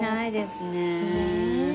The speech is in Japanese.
ねえ。